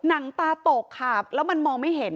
หนังตาตกค่ะแล้วมันมองไม่เห็น